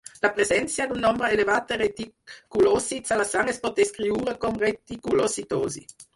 La presència d'un nombre elevat de reticulòcits a la sang es pot descriure com reticulocitosi.